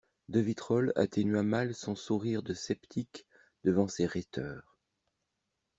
De Vitrolles atténua mal son sourire de sceptique devant ces rhéteurs.